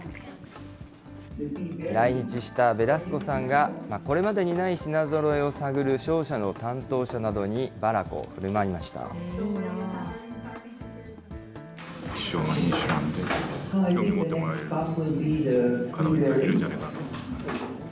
来日したベラスコさんが、これまでにない品ぞろえを探る商社の担当者などにバラコをふるまいいなぁ。